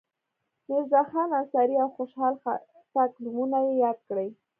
میرزاخان انصاري او خوشحال خټک نومونه یې یاد کړي.